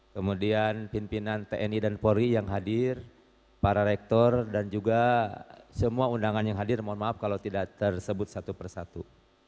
kemudian pimpinan tni dan polri yang hadir para rektor dan juga semua undangan yang hadir mohon maaf kalau tidak tersebut satu persatu